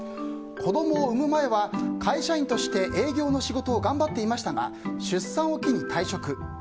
子供を産む前は会社員として営業の仕事を頑張っていましたが出産を機に退職。